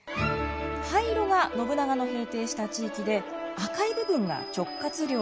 灰色が信長の平定した地域で赤い部分が直轄領です。